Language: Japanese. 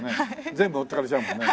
全部持っていかれちゃうもんね。